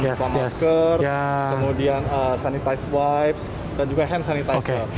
masker kemudian sanitize wipes dan juga hand sanitizer